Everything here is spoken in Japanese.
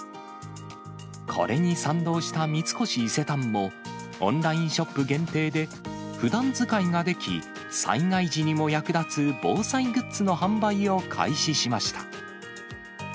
これに賛同した三越伊勢丹も、オンラインショップ限定で、ふだん使いができ、災害時にも役立つ防災グッズの販売を開始しました。